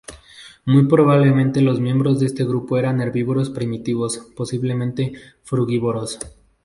Muy probablemente los miembros de este grupo eran herbívoros primitivos, posiblemente frugívoros.